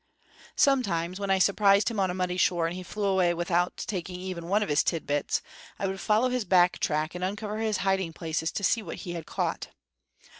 Sometimes, when I surprised him on a muddy shore and he flew away without taking even one of his tidbits, I would follow his back track and uncover his hiding places to see what he had caught.